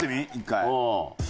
１回。